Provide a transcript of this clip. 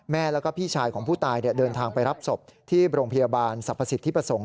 แม่แล้วก็พี่ชายของผู้ตายเดินทางไปรับศพที่โรงพยาบาลสรรพสิทธิประสงค์